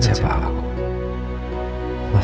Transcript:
masih peduli siapa akibu